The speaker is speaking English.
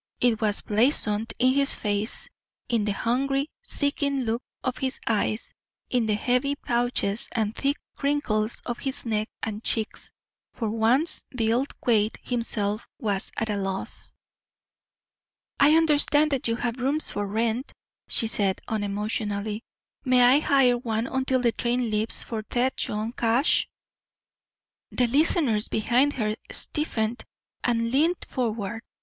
It was blazoned in his face, in the hungry, seeking look of his eyes in the heavy pouches and thick crinkles of his neck and cheeks. For once Bill Quade himself was at a loss. "I understand that you have rooms for rent," she said unemotionally. "May I hire one until the train leaves for Tête Jaune Cache?" The listeners behind her stiffened and leaned forward.